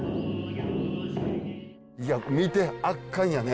いや見て圧巻やね。